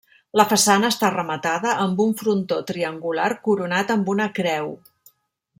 La façana està rematada amb un frontó triangular coronat amb una creu.